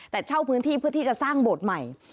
แต่เช่าพื้นที่เพื่อที่จะสร้างโบสถ์ใหม่